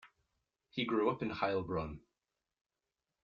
He grew up in Heilbronn.